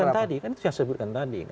itu yang saya sebutkan tadi